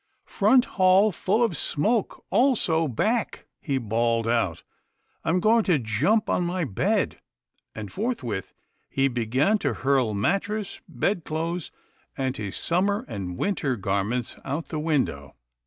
" Front hall full of smoke, also back," he bawled down. " I'm going to jump on my bed," and forthwith he began to hurl mattress, bed clothes, and his summer and winter garments out the window.